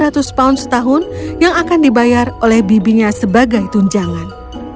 dia memiliki uang sekitar dua ratus pound setahun yang akan dibayar oleh bibinya sebagai tunjangan